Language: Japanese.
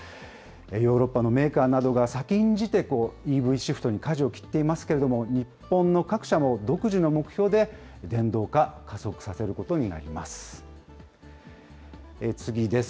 ヨーロッパのメーカーなどが先んじてＥＶシフトにかじを切っていますけれども、日本の各社も独自の目標で、電動化、加速させることになります。